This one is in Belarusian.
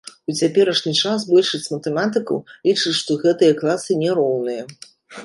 У цяперашні час большасць матэматыкаў лічыць, што гэтыя класы не роўныя.